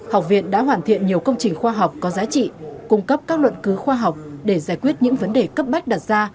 học viện đã hoàn thiện nhiều công trình khoa học có giá trị cung cấp các luận cứu khoa học để giải quyết những vấn đề cấp bách đặt ra